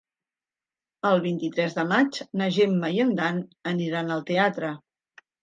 El vint-i-tres de maig na Gemma i en Dan aniran al teatre.